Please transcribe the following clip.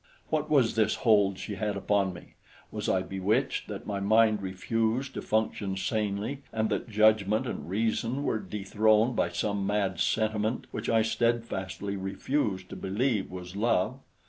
What was this hold she had upon me? Was I bewitched, that my mind refused to function sanely, and that judgment and reason were dethroned by some mad sentiment which I steadfastly refused to believe was love?